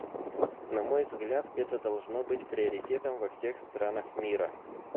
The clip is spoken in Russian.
На мой взгляд, это должно быть приоритетом во всех странах мира.